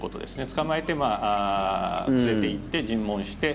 捕まえて、連れていって尋問して。